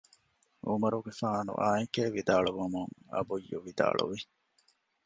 ޢުމަރުގެފާނު އާނއެކޭ ވިދާޅުވުމުން އުބައްޔު ވިދާޅުވި